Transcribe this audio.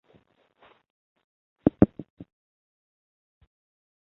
也是桃园市政府警察局捷运警察队队部所在地。